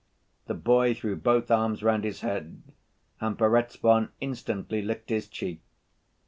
The boy threw both arms round his head and Perezvon instantly licked his cheek.